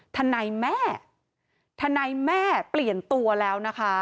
ทนายแม่ทนายแม่เปลี่ยนตัวแล้วนะคะ